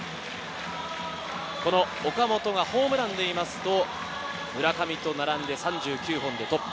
この岡本がホームランでいいますと、村上と並んで３９本でトップ。